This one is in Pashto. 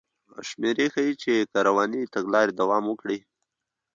شمېرې ښيي چې که روانې تګلارې دوام وکړي